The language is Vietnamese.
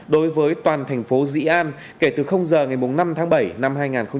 đối với toàn thành phố dĩ an kể từ giờ ngày năm tháng bảy năm hai nghìn hai mươi